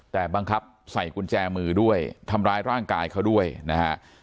แต่บังคับใส่กุญแจมือด้วยทำร้ายร่างกายเขาด้วยนะฮะ